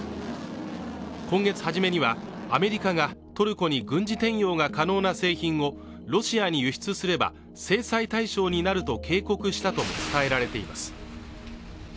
今月初めにはアメリカがトルコに軍事転用が可能な製品をロシアに輸出すれば制裁対象になると警告したとも伝えられています